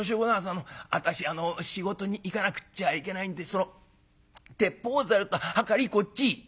あの私あの仕事に行かなくっちゃいけないんでその鉄砲ざるとはかりこっち」。